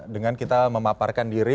dengan kita memaparkan diri